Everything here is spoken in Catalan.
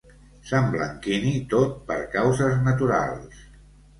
S'emblanquini tot per causes naturals.